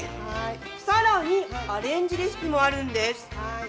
更に、アレンジレシピもあるんです。